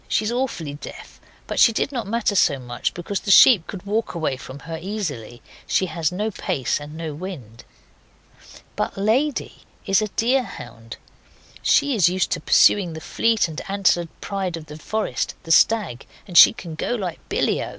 She is awfully deaf, but she did not matter so much, because the sheep could walk away from her easily. She has no pace and no wind. But Lady is a deer hound. She is used to pursuing that fleet and antlered pride of the forest the stag and she can go like billyo.